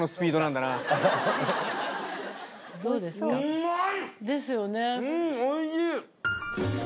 うまい！